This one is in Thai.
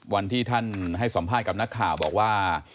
วันที่ท่านให้สัมภาษณ์กับนักข่าวบอกว่า